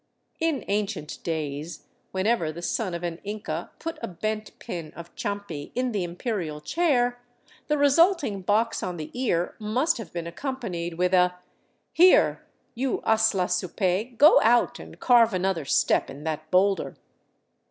In ancient days, whenever the son of an Inca put a bent pin of champi in the Imperial chair the resulting box on the ear must have been accompanied with a " Here, you aslla supay, go out and carve another step in that boulder